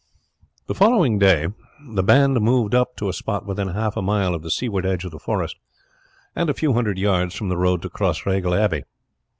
The following day the band moved up to a spot within half a mile of the seaward edge of the forest, and a few hundred yards from the road to Crossraguel Abbey.